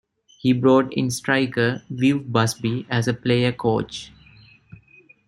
He brought in striker Viv Busby as a player-coach.